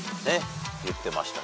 言ってましたね